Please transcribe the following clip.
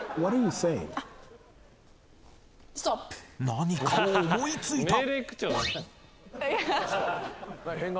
［何かを思い付いた］